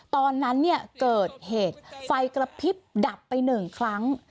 ตอนนั้นเกิดเหตุไฟกระพริบดับไปหนึ่งครั้ง